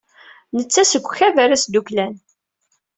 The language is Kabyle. Netta seg ukabar asduklan.